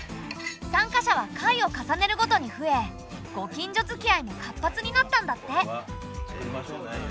参加者は回を重ねるごとに増えご近所づきあいも活発になったんだって。